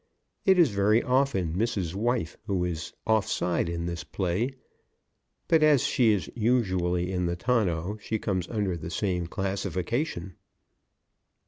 It is very often Mrs. Wife who is off side in this play, but as she is usually in the tonneau, she comes under the same classification.